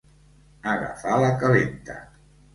Agafar la calenta.